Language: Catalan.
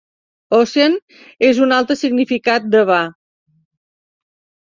Ocean és un altre significat de Va.